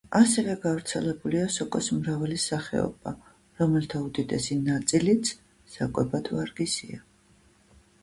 ასევე გავრცელებულია სოკოს მრავალი სახეობა, რომელთა უდიდესი ნაწილიც საკვებად ვარგისია.